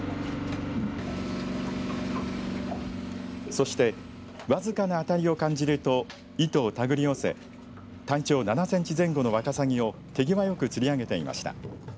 そして僅かな当たりを感じると糸をたぐり寄せ体調７センチ前後のわかさぎを手際よく釣り上げていました。